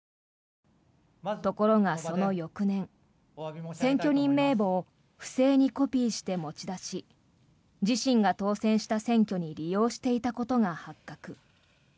ところが、その翌年選挙人名簿を不正にコピーして持ち出し自身が当選した選挙に利用していたことが発覚。